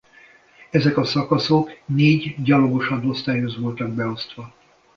Ezek a szakaszok négy gyalogos hadosztályhoz voltak beosztva.